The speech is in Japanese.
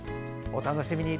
お楽しみに。